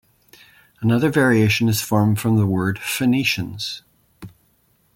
Another variation is formed from the word "Phoenicians".